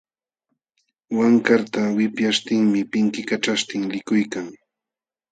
Wankarta wipyaśhtinmi pinkikaćhaśhtin likuykan.